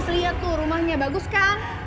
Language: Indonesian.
lihat tuh rumahnya bagus kan